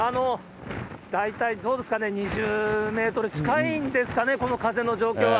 大体どうですかね、２０メートル近いんですかね、この風の状況は。